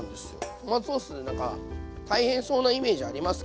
トマトソース何か大変そうなイメージありますけど。